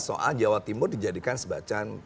soal jawa timur dijadikan sebacan